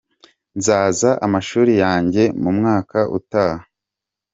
Nzasaza amashuli yanjye mumwaka utaha.